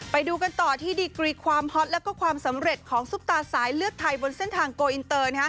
ไปดูกันต่อที่ดีกรีความฮอตและความสำเร็จของซุปตาสายเลือดไทยบนเส้นทางโกอินเตอร์